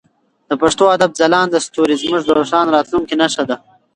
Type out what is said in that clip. د پښتو ادب ځلانده ستوري زموږ د روښانه راتلونکي نښه ده.